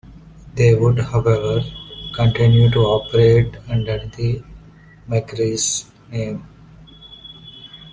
They would however, continue to operate under the McRae's name.